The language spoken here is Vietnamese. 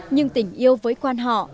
nhưng tình yêu với quan họ